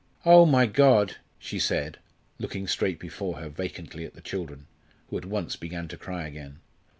"Oh, my God!" she said, looking straight before her vacantly at the children, who at once began to cry again.